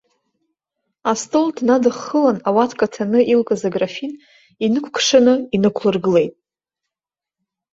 Астол днадыххылан, ауатка ҭаны илкыз аграфин, инықәыкшаны инықәлыргылеит.